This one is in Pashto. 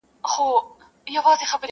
سر او بر یې ګوره مه بس ټولوه یې ,